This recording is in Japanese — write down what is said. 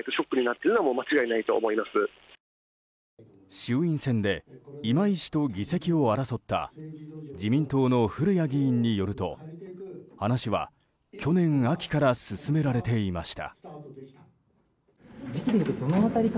衆院選で今井氏と議席を争った自民党の古屋議員によると話は、去年秋から進められていました。